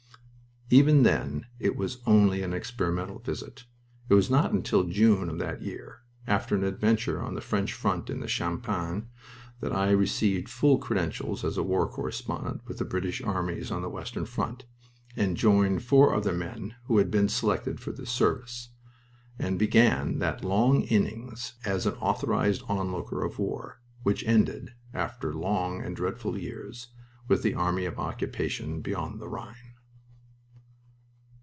Even then it was only an experimental visit. It was not until June of that year, after an adventure on the French front in the Champagne, that I received full credentials as a war correspondent with the British armies on the western front, and joined four other men who had been selected for this service, and began that long innings as an authorized onlooker of war which ended, after long and dreadful years, with the Army of Occupation beyond the Rhine.